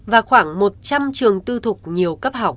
và khoảng một trăm linh trường tư thuộc nhiều